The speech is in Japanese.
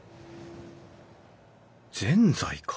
ぜんざいか。